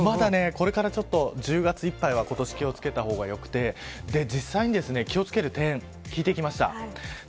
これからちょっと１０月いっぱいは今年、気を付けた方がよくて実際に気を付ける点聞いてきました。